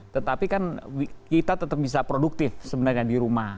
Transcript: tetapi kan kita tetap bisa produktif sebenarnya di rumah